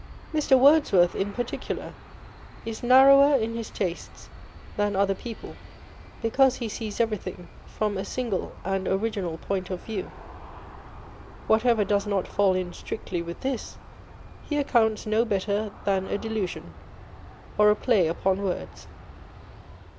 Mr. Wordsworth, in particular, is narrower in his tastes than other people, because he sees everything from a single and original point of view. Whatever does not fall in strictly with this, he accounts no better than a delusion, or a play upon words.